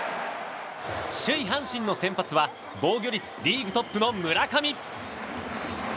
首位、阪神の先発は防御率リーグトップの村上。